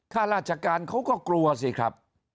ข้าราชการเขาก็กลัวสิครับ